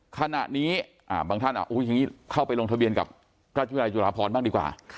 ขณะนี้บางท่านอย่างนี้เข้าไปลงทะเบียนกับราชวิทยาลจุฬาพรบ้างดีกว่า